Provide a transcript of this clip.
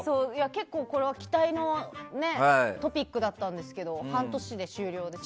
結構、これは期待のトピックだったんですけど半年で終了です。